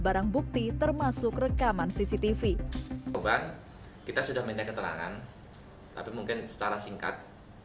barang bukti termasuk rekaman cctv obat kita sudah minta keterangan tapi mungkin secara singkat